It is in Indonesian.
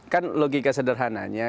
kan logika sederhananya